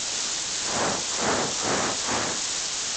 Il n'est plus nécessaire d'enlever l'écrou.